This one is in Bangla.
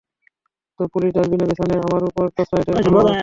তো পুলিশ ডাস্টবিনের পিছনে আমার উপর টর্চলাইটের আলো মারে।